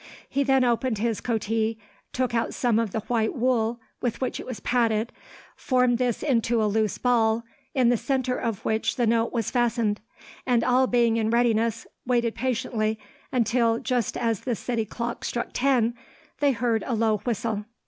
He then opened his coatee, took out some of the white wool with which it was padded, formed this into a loose ball, in the centre of which the note was fastened, and all being in readiness, waited patiently, until, just as the city clock struck ten, they heard a low whistle.